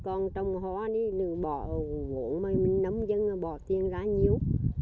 còn trong hoa này bỏ uống nấm dân bỏ tiền ra nhiều